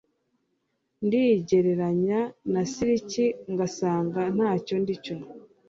ndigereranya na silik ngasanga ntacyo ndicyo